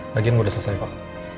bagian gue udah selesai kok